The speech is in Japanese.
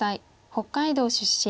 北海道出身。